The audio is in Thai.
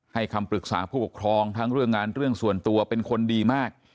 คำปรึกษาผู้ปกครองทั้งเรื่องงานเรื่องส่วนตัวเป็นคนดีมาก